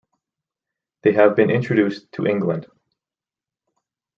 They have been introduced to England.